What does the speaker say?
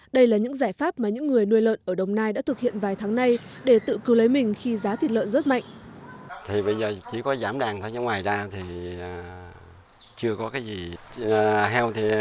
đây là những giải pháp mà những người nuôi lợn ở đồng nai đã thực hiện vài tháng nay để tự cứu lấy mình khi giá thịt lợn rất mạnh